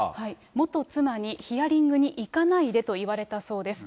元妻にヒアリングに行かないでと言われたそうです。